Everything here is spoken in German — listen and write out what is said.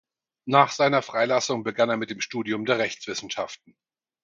Nach seiner Freilassung begann er mit dem Studium der Rechtswissenschaften.